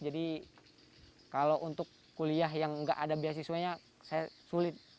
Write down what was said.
jadi kalau untuk kuliah yang enggak ada beasiswanya saya sulit